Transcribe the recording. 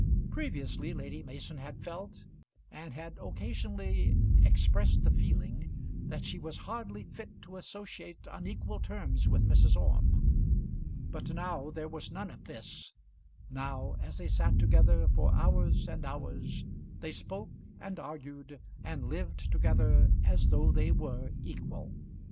Previously Lady Mason had felt, and had occasionally expressed the feeling, that she was hardly fit to associate on equal terms with Mrs. Orme; but now there was none of this, now, as they sat together for hours and hours, they spoke, and argued, and lived together as though they were equal.